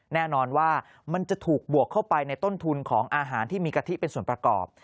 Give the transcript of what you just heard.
แน่นอนว่ามันจะถูกบวกเข้าไปในต้นทุนของอาหารที่มีกะทิเป็นส่วนประกอบ